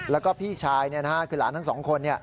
แล้วก็พี่ชายคือหลานทั้งสองคน